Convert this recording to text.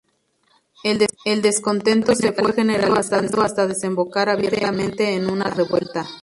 El descontento se fue generalizando hasta desembocar abiertamente en una revuelta.